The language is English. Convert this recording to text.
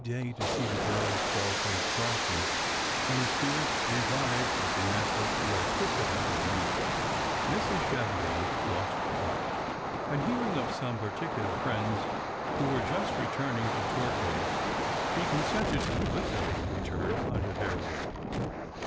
ay to see the girl's dull face brighten, and her spirits rewve with the natural elasticity of youth, Mrs. Chevenix lost heart; and hearing of some particular friends who were just returning to Torquay, she consented to Elizabeth's return under their wing.